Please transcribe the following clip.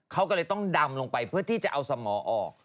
เขาก็เลยต้องดำลงไปเพื่อที่จะเอาสมอออก